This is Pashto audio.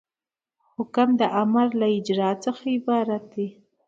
حکم د امر له اجرا څخه عبارت دی.